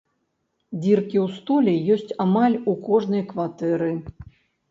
Дзіркі ў столі ёсць амаль у кожнай кватэры.